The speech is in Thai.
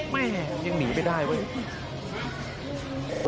แม่ยังหนีไปได้เว้ย